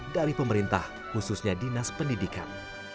dari pemerintah khususnya dinas pendidikan